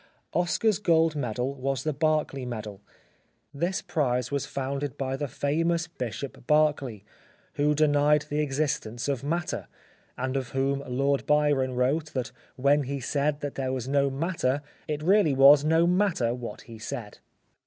Oscar's gold medal was the Berkeley Medal. This prize was founded by 117 The Life of Oscar Wilde the famous Bishop Berkeley^ who denied the existence of matter, and of whom Lord Byron wrote that when he said that there was no matter it really was no matter what he said.